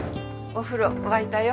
お風呂沸いたよ。